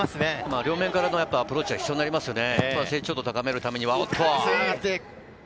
両面からのアプローチが必要になりますよね。